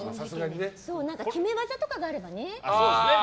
決め技とかがあればね。